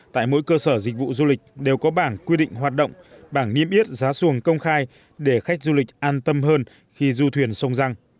tại mỗi cơ sở dịch vụ du lịch đều có bảng quy định hoạt động bảng niêm yết giá xuồng công khai để khách du lịch an tâm hơn khi du thuyền sông răng